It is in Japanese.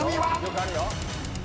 よくあるよ。